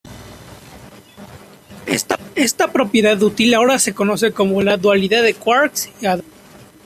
Esta propiedad útil ahora se conoce como la dualidad de quarks y hadrones.